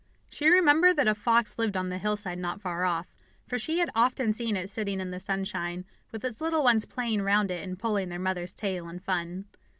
She remembered that a fox lived on the hillside not far off; for she had often seen it sitting in the sunshine, with its little ones playing round it and pulling their mother's tail in fun.